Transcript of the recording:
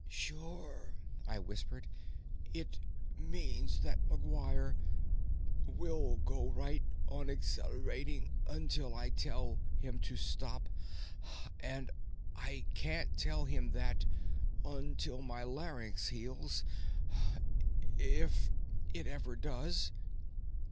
"Sure," I whispered. "It means that McGuire will go right on accelerating until I tell him to stop, and I can't tell him that until my larynx heals if it ever does."